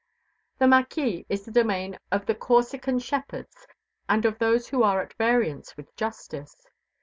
The mâquis is the domain of the Corsican shepherds and of those who are at variance with justice.